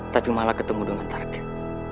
tapi malah ketemu dengan target